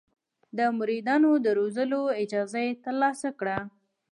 د مریدانو د روزلو اجازه یې ترلاسه کړه.